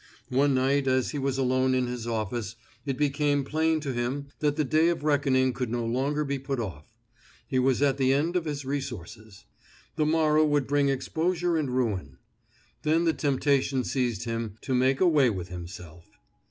One night as he was alone in his office it became plain to him that the day of reckoning could no longer be put off. He was at the end of his resources. The morrow would bring exposure and ruin. Then the temptation seized him to make away with himself.